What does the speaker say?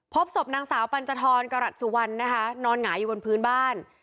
พบศพนางสาวปัญจทรกรัฐสุวรรณนะคะนอนหงายอยู่บนพื้นบ้าน